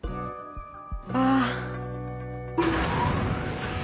ああ。